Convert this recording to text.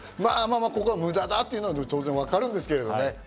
無駄だと言うのは当然わかるんですけどね。